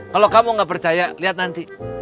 kalau kamu gak percaya lihat nanti